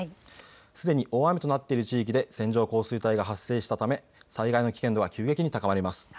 すでに大雨となっている地域で線状降水帯が発生したため災害の危険度が急激に高まります。